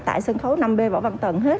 tại sân khấu năm b võ văn tần hết